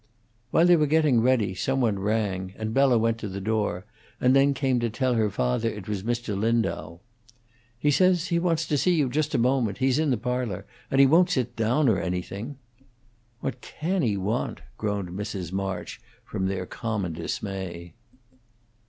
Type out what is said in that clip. While they were getting ready, someone rang, and Bella went to the door, and then came to tell her father that it was Mr. Lindau. "He says he wants to see you just a moment. He's in the parlor, and he won't sit down, or anything." "What can he want?" groaned Mrs. March, from their common dismay.